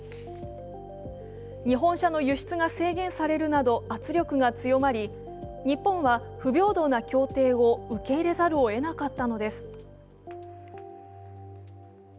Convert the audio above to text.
日本車の輸出が制限されるなど圧力が強まり日本は不平等な協定を受け入れざるをえなかったのです。